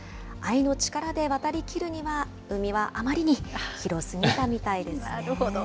愛の力で渡りきるには、海はあまりに広すぎたみたいですね。